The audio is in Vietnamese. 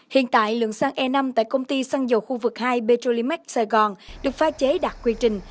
hiện tại lượng xăng e năm tại công ty xăng dầu khu vực hai petrolimax sài gòn được pha chế đạt quy trình